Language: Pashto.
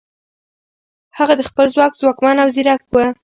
هغه د خپل ځواک ځواکمن او ځیرک و.